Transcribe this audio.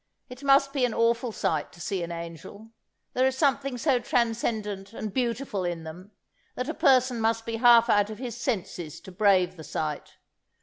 It must be an awful sight to see an angel! There is something so transcendent and beautiful in them, that a person must be half out of his senses to brave the sight.